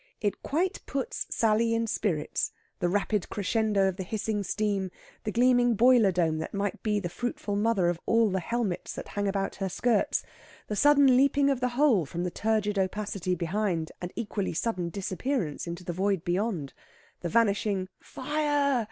It quite puts Sally in spirits the rapid crescendo of the hissing steam, the gleaming boiler dome that might be the fruitful mother of all the helmets that hang about her skirts, the sudden leaping of the whole from the turgid opacity behind and equally sudden disappearance into the void beyond, the vanishing "Fire!"